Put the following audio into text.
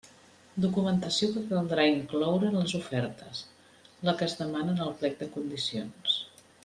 Documentació que caldrà incloure en les ofertes: la que es demana en el plec de condicions.